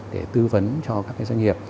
để tư vấn cho các doanh nghiệp